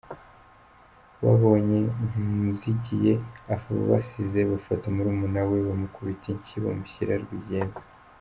Babonye Nzigiye abasize bafata murumuna we; bamukubita inshyi bamushyira Rwigenza.